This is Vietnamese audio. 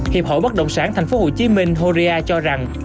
hiệp hội bất động sản tp hcm horia cho rằng